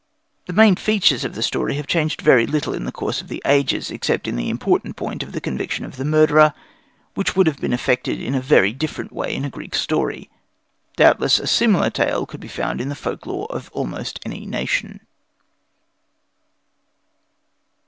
The main features of the story have changed very little in the course of ages, except in the important point of the conviction of the murderer, which would have been effected in a very different way in a Greek story. Doubtless a similar tale could be found in the folk lore of almost any nation.